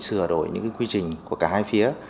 sửa đổi những quy trình của cả hai phía